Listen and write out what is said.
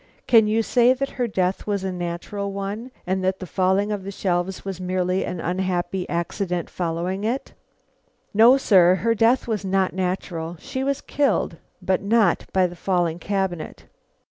Can you say that her death was a natural one, and that the falling of the shelves was merely an unhappy accident following it?" "No, sir; her death was not natural. She was killed, but not by the falling cabinet."